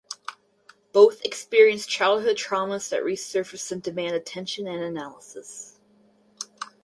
Both experienced childhood traumas that resurface and demand attention and analysis.